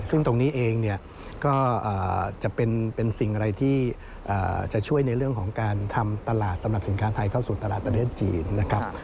ซึ่งตรงนี้เองเนี่ยก็จะเป็นสิ่งอะไรที่จะช่วยในเรื่องของการทำตลาดสำหรับสินค้าไทยเข้าสู่ตลาดประเทศจีนนะครับ